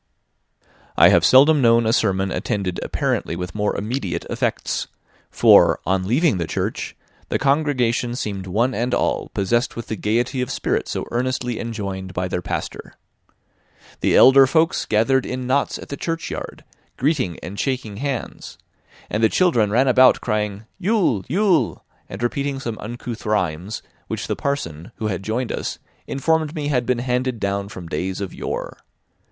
I have seldom known a sermon attended apparently with more immediate effects; for, on leaving the church, the congregation seemed one and all possessed with the gaiety of spirit so earnestly enjoined by their pastor. The elder folks gathered in knots in the churchyard, greeting and shaking hands; and the children ran about crying, Ule! Ule! and repeating some uncouth rhymes,* which the parson, who had joined us, informed me had been handed down from days of yore.